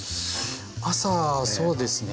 朝そうですね。